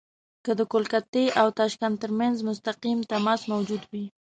که د کلکتې او تاشکند ترمنځ مستقیم تماس موجود وي.